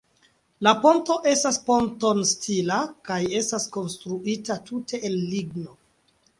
La ponto estas ponton-stila kaj estas konstruita tute el ligno.